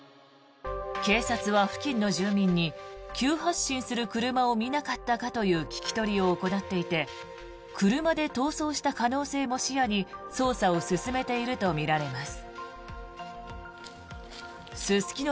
警察は付近の住民に急発進する車を見なかったかという聞き取りを行っていて車で逃走した可能性も視野に捜査を進めているとみられます。